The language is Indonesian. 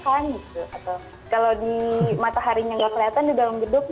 atau kalau di matahari enggak kelihatan di dalam gedung